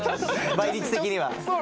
倍率的には。